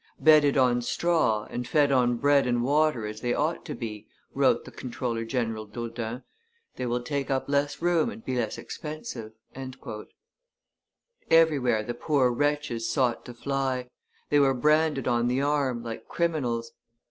"Bedded on straw, and fed on bread and water as they ought to be," wrote the comptroller general Dodun, "they will take up less room and be less expense." Everywhere the poor wretches sought to fly; they were branded on the arm, like criminals.